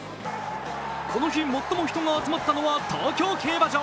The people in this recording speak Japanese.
この日、最も人が集まったのは東京競馬場。